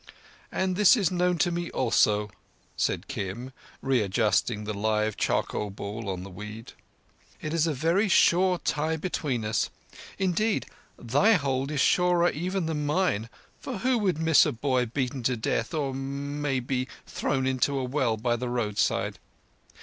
"And this is known to me also," said Kim, readjusting the live charcoal ball on the weed. "It is a very sure tie between us. Indeed, thy hold is surer even than mine; for who would miss a boy beaten to death, or, it may be, thrown into a well by the roadside?